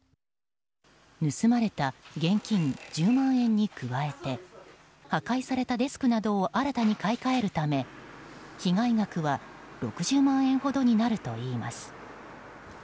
盗まれた現金１０万円に加えて破壊されたデスクなどを新たに買い替えるため被害額は６０万円ほどになるといいます。